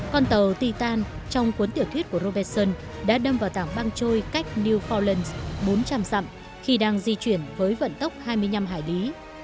con tàu titan trong cuốn tiểu thuyết của robertson đã đâm vào tảng băng trôi cách new forlent bốn trăm linh dặm khi đang di chuyển với vận tốc hai mươi năm hải lý